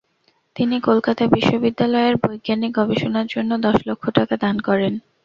তিনি কলকাতা বিশ্ববিদ্যালয়ের বৈজ্ঞানিক গবেষণার জন্য দশ লক্ষ টাকা দান করেন।